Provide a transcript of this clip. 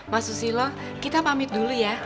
pak susilo kita pamit dulu ya